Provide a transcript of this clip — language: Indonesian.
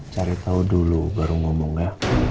cari tahu dulu baru ngomong ya